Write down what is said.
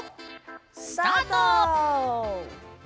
スタート！